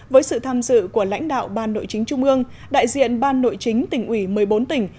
với sự tham dự của lãnh đạo ban nội chính trung ương đại diện ban nội chính tỉnh ủy một mươi bốn tỉnh